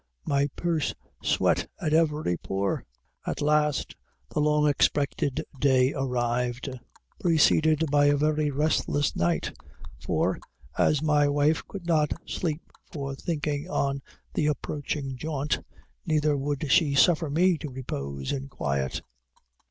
My purse sweat at every pore. At last, the long expected day arrived, preceded by a very restless night. For, as my wife could not sleep for thinking on the approaching jaunt, neither would she suffer me to repose in quiet.